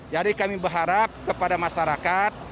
jadi kami berharap kepada masyarakat